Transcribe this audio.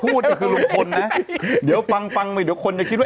นี่คือลุงพลนะเดี๋ยวฟังฟังไปเดี๋ยวคนจะคิดว่า